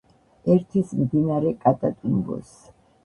ერთვის მდინარე კატატუმბოს.